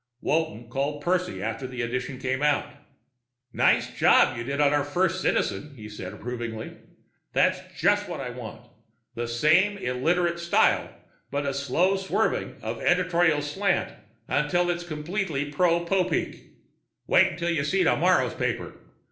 Walton called Percy after the edition came out. "Nice job you did on our first Citizen," he said approvingly. "It's just what I want: same illiterate style, but a slow swerving of editorial slant until it's completely pro Popeek." "Wait till you see tomorrow's paper.